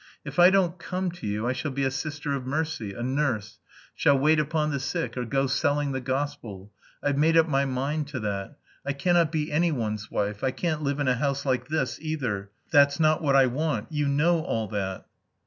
"If I don't come to you I shall be a sister of mercy, a nurse, shall wait upon the sick, or go selling the gospel. I've made up my mind to that. I cannot be anyone's wife. I can't live in a house like this, either. That's not what I want.... You know all that."